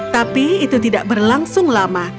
tapi itu tidak berlangsung lama